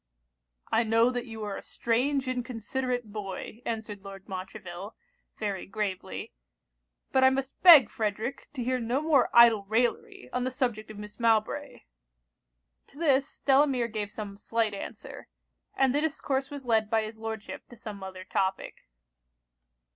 'I know that you are a strange inconsiderate boy,' answered Lord Montreville, very gravely; 'but I must beg, Frederic, to hear no more idle raillery on the subject of Miss Mowbray.' To this, Delamere gave some slight answer; and the discourse was led by his Lordship to some other topic.